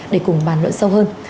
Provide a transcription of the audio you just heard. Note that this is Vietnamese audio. để cùng bàn luận sâu hơn